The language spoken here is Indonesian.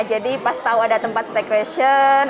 jadi pas tau ada tempat staycation